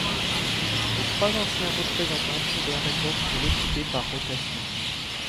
Les trois anciens représentants tombèrent d'accord pour l'occuper par rotation.